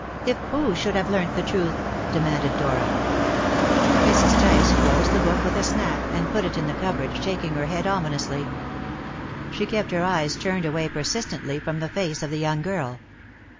"If who should have learnt the truth?" demanded Dora. Mrs. Tice closed the book with a snap, and put it in the cupboard, shaking her head ominously. She kept her eyes turned away persistently from the face of the young girl.